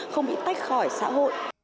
không bị tách khỏi xã hội